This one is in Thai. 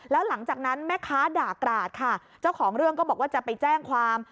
แล้วหลังจากนั้นแม่ค้าด่ากราดค่ะเจ้าของเรื่องก็บอกว่าจะไปแจ้งความ